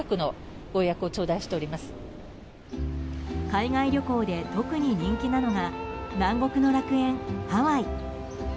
海外旅行で特に人気なのが南国の楽園、ハワイ。